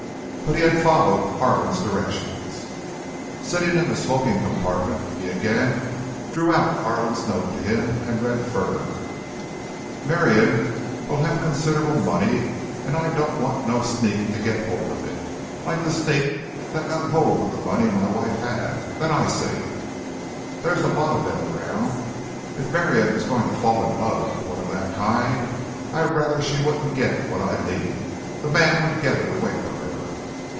But he had followed Harlan's directions. Sitting in the smoking compartment, he again drew out Harlan's note to him and read further: Marion will have considerable money, and I don't want no sneak to get hold of it—like the sneak that got hold of the money my wife had, that I saved. There's a lot of them around. If Marion is going to fall in love with one of that kind, I'd rather she wouldn't get what I leave—the man would get it away from her.